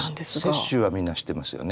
雪舟はみんな知ってますよね。